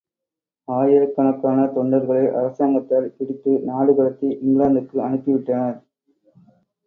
ஆயிரக்கணக்காக தொண்டர்களை அரசாங்கத்தார் பிடித்து நாடு கடத்தி இங்கிலாந்துக்கு அனுப்பி விட்டனர்.